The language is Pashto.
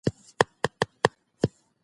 دورکهايم وويل چي ټولنيز فشار اغېز لري.